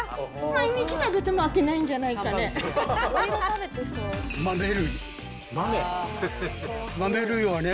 毎日食べても飽きないんじゃないかね。